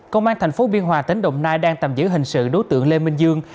công an thành phố biên hòa tỉnh đồng nai đang tạm giữ hình sự đối tượng lê minh dương